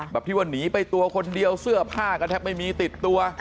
ที่ว่าหนีไปตัวคนเดียวเสื้อผ้าก็แทบไม่มีติดตัว